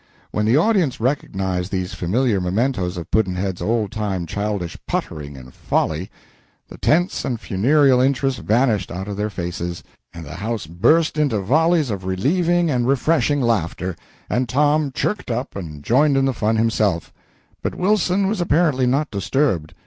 When the audience recognized these familiar mementoes of Pudd'nhead's old time childish "puttering" and folly, the tense and funereal interest vanished out of their faces, and the house burst into volleys of relieving and refreshing laughter, and Tom chirked up and joined in the fun himself; but Wilson was apparently not disturbed.